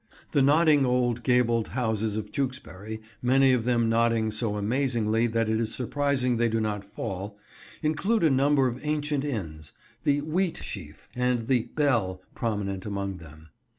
The nodding old gabled houses of Tewkesbury—many of them nodding so amazingly that it is surprising they do not fall—include a number of ancient inns: the "Wheatsheaf" and the "Bell" prominent among them.